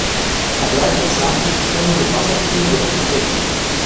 Er bleibt als Nachwuchstrainer dem Wasserspringen jedoch verbunden.